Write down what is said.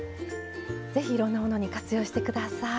是非いろんなものに活用して下さい。